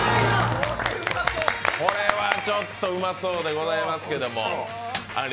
これはちょっとうまそうでございますけどあんり